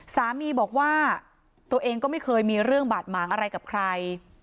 สามีบอกว่าตัวเองก็ไม่เคยมีเรื่องบาดหมางอะไรกับใคร